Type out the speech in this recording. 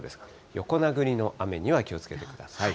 横殴りの雨には気をつけてください。